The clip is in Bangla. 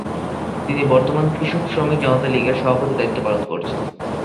তিনি বর্তমানে কৃষক শ্রমিক জনতা লীগ-এর সভাপতির দায়িত্ব পালন করছেন।